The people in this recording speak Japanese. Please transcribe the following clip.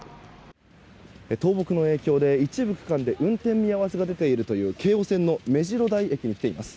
倒木の影響で一部区間で運転見合わせが出ているという京王線のめじろ台駅に来ています。